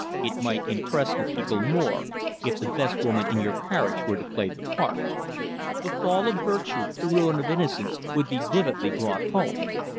"It might impress the people more, if the best woman in your parish were to play the part. The fall of virtue, the ruin of innocence, would be vividly brought home.